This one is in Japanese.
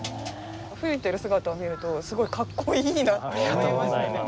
吹いてる姿を見るとすごいかっこいいなって思いましたね。